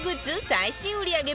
最新売り上げ